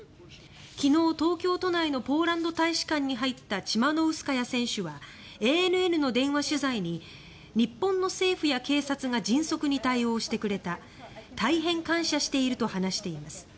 昨日、東京都内のポーランド大使館に入ったチマノウスカヤ選手はＡＮＮの電話取材に日本の政府や警察が迅速に対応してくれた大変感謝していると話しています。